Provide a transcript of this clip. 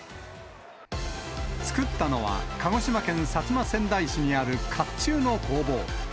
作ったのは鹿児島県薩摩川内市にあるかっちゅうの工房。